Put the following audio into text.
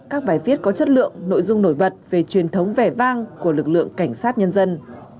các bài viết có chất lượng nội dung nổi bật về truyền thống vẻ vang của lực lượng cảnh sát nhân dân